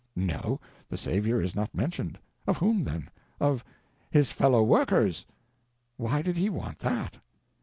No; the Savior is not mentioned. Of whom, then? Of "his fellow workers." Why did he want that?